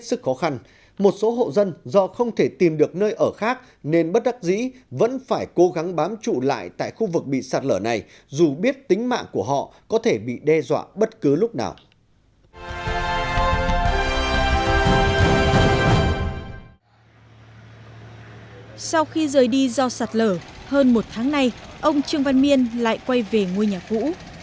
sau khi rời đi do sạt lở hơn một tháng nay ông trương văn miên lại quay về ngôi nhà cũ